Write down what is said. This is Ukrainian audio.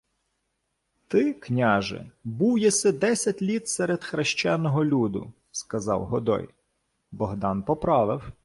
— Ти, княже, був єси десять літ серед хрещеного люду, — сказав Годой. Богдан поправив: